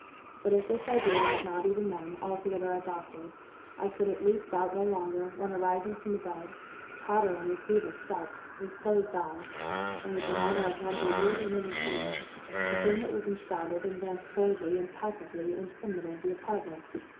But if this idea was not, even then, altogether adopted, I could at least doubt no longer, when, arising from the bed, tottering, with feeble steps, with closed eyes, and with the manner of one bewildered in a dream, the thing that was enshrouded advanced boldly and palpably into the middle of the apartment.